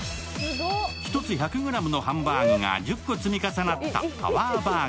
１つ１００ｇのハンバーグが１０個積み重なったタワーバーグ。